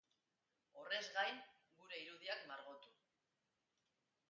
Horrez gain, gure irudiak margotu.